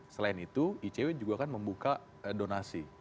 selain itu icw juga kan membuka donasi